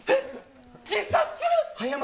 自殺？